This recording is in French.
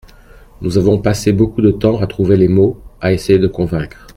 Nous avons passé beaucoup de temps à trouver les mots, à essayer de convaincre.